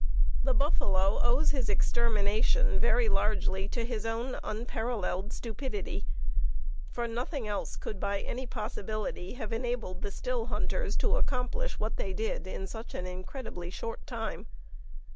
The buffalo owes his extermination very largely to his own unparalleled stupidity; for nothing else could by any possibility have enabled the still hunters to accomplish what they did in such an incredibly short time.